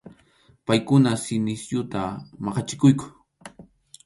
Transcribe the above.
Paykuna si nisyuta maqachikuqku.